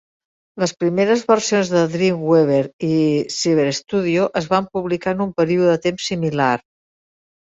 Les primeres versions de Dreamweaver i Cyberstudio es van publicar en un període de temps similar.